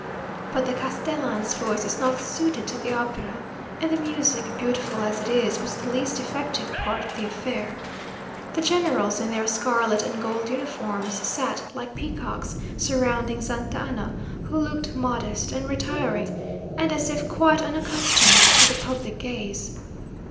But the Castellan's voice is not suited to the opera, and the music, beautiful as it is, was the least effective part of the affair. The generals, in their scarlet and gold uniforms, sat like peacocks surrounding Santa Anna, who looked modest and retiring, and as if quite unaccustomed to the public gaze!